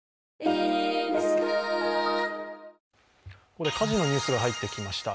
ここで火事のニュースが入ってきました。